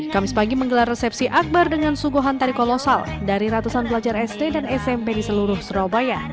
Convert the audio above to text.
kamis pagi menggelar resepsi akbar dengan suguhan tari kolosal dari ratusan pelajar sd dan smp di seluruh surabaya